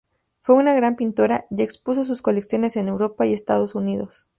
Fue una gran pintora, y expuso sus colecciones en Europa y Estados Unidos.